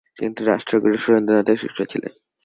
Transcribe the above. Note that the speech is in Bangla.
তিনি রাষ্ট্রগুরু সুরেন্দ্রনাথের শিষ্য ছিলেন।